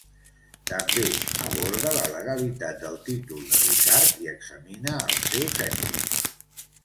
També aborda la legalitat del títol de Ricard i examina els seus èxits.